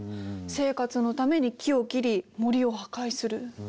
生活のために木を切り森を破壊する。